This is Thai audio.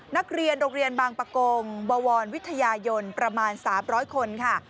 นักเรียนโรงเรียนบางประกงบวรวิทยายนประมาณ๓๐๐คนค่ะ